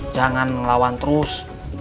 jangan melawan terus